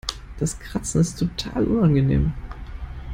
Das Kratzen ist total unangenehm.